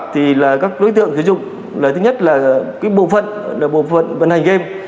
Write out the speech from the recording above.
thì các đối tượng sử dụng là thứ nhất là bộ phận vận hành game